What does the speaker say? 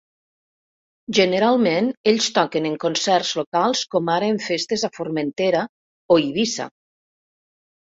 Generalment ells toquen en concerts locals com ara en festes a Formentera o Eivissa.